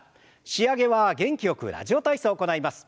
仕上げは元気よく「ラジオ体操」を行います。